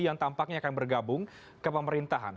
yang tampaknya akan bergabung ke pemerintahan